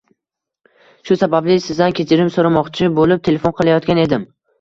Shu sababli sizdan kechirim so'ramoqchi bo'lib telefon qilayotgan edim